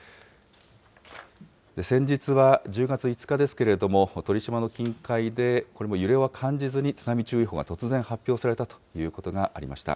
先日は１０月５日ですけれども、鳥島の近海でこれも揺れは感じずに、津波注意報が突然発表されたということがありました。